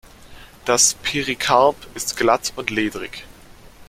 Das Perikarp ist glatt und lederig.